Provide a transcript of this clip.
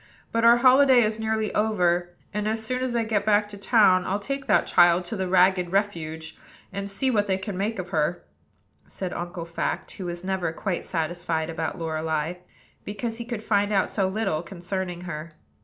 But our holiday is nearly over; and, as soon as I get back to town, I'll take that child to the Ragged Refuge, and see what they can make of her," said Uncle Fact, who was never quite satisfied about Lorelei; because he could find out so little concerning her.